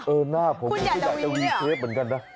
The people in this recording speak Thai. เออหน้าผมอยากจะวีเชฟเหมือนกันนะ